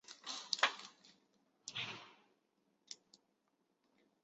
长叶粉背青冈为壳斗科青冈属下的一个种。